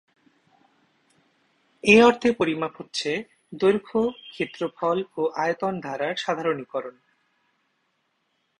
এই অর্থে পরিমাপ হচ্ছে দৈর্ঘ্য, ক্ষেত্রফল ও আয়তন ধারণার সাধারণীকরণ।